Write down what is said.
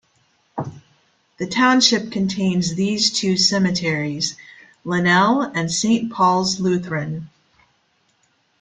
The township contains these two cemeteries: Linnel and Saint Paul's Lutheran.